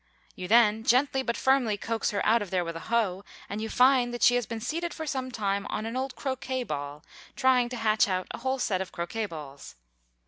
You then gently but firmly coax her out of there with a hoe, and you find that she has been seated for some time on an old croquet ball, trying to hatch out a whole set of croquet balls.